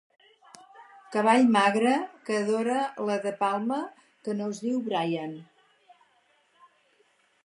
Cavall magre que adora la De Palma que no es diu Brian.